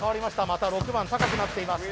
また６番高くなっています